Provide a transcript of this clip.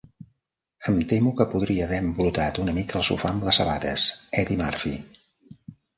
Em temo que podria haver embrutat una mica el sofà amb les sabates, Eddie Murphy.